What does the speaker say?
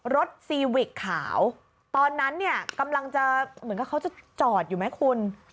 ซีวิกขาวตอนนั้นเนี่ยกำลังจะเหมือนกับเขาจะจอดอยู่ไหมคุณ